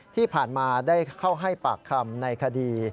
ที่ผ่านมาได้เข้าให้ปากคำในคดี